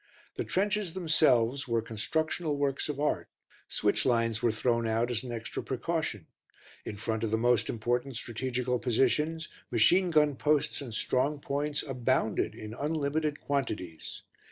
The trenches themselves were constructional works of art; switch lines were thrown out as an extra precaution; in front of the most important strategical positions, machine gun posts and strong points abounded in unlimited quantities.